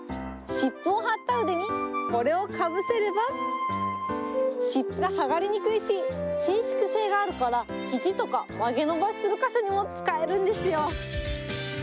湿布を貼った腕にこれをかぶせれば、湿布が剥がれにくいし伸縮性があるから、ひじとか曲げ伸ばしする箇所にも使えるんですよ。